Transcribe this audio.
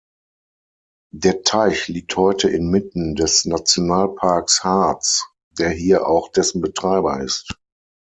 Der Teich liegt heute inmitten des Nationalparks Harz, der hier auch dessen Betreiber ist.